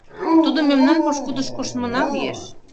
Тудо мемнан пошкудыш коштмына лиеш.